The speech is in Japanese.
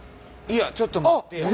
いやちょっと待ってや。